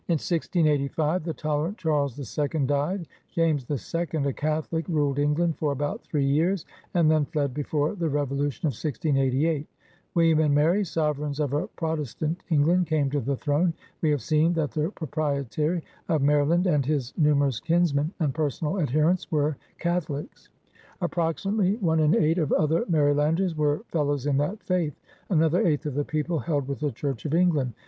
In 1685 the tolerant Charles the Second died. James the Second, a Catholic, ruled England for about three years, and then fled before the Revo lution of 1688. William and Mary, sovereigns of a Protestant England, came to the throne. We have seen that the Proprietary of Maryland and his numerous kinsmen and personal adher ents were Catholics. Approximately one in eight of other Marylanders were fellows in that faith. Another eighth of the people held with the Church of England.